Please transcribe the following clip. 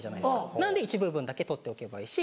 なので一部分だけ取っておけばいいし。